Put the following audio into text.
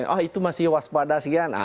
oh itu masih waspada sekian